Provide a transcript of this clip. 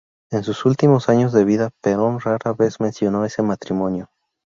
En sus últimos años de vida, Perón rara vez mencionó ese matrimonio.